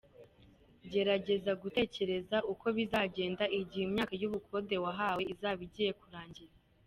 Gerageza gutekereza uko bizagenda igihe imyaka y’ubukode wahawe izaba igiye kurangira.